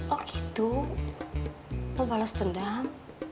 oh gitu mau balas dendam